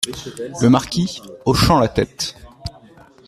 Le Marquis , hochant la tête.